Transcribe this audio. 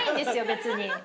別に。